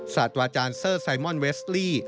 ศาสตราจารย์เซอร์ไซมอนเวสลี่